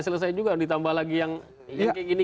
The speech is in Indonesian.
selesai juga ditambah lagi yang kayak gini